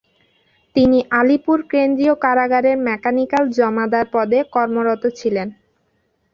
তিনি আলিপুর কেন্দ্রীয় কারাগারের মেকানিক্যাল জমাদার পদে কর্মরত ছিলেন।